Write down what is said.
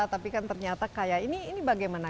tapi kan ternyata kayak ini bagaimana